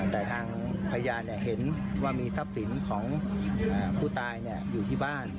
แต่ทางพยานเห็นว่ามีทรัพย์สินของผู้ตายอยู่ที่บ้าน